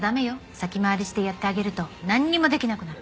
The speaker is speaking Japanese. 先回りしてやってあげるとなんにもできなくなる。